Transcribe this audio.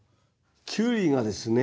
キュウリがですね